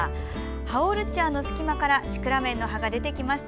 ハオルチアの隙間からシクラメンの葉が出てきました。